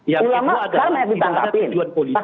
yang kedua adalah tidak ada tujuan politik